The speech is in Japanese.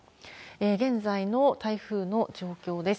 現在の台風の状況です。